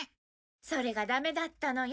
それがダメだったのよ。